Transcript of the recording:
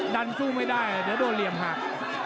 ดันสู้ไม่ได้เดี๋ยวโดนเหลี่ยมหัก